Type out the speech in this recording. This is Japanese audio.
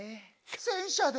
戦車で。